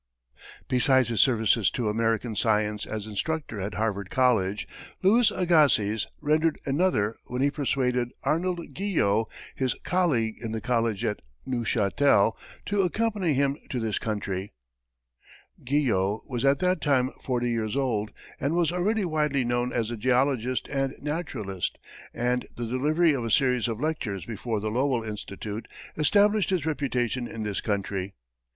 Besides his services to American science as instructor at Harvard College, Louis Agassiz rendered another when he persuaded Arnold Guyot, his colleague in the college at Neuchâtel, to accompany him to this country. Guyot was at that time forty years old, and was already widely known as a geologist and naturalist, and the delivery of a series of lectures before the Lowell Institute, established his reputation in this country.